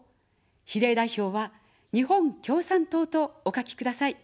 比例代表は、日本共産党とお書きください。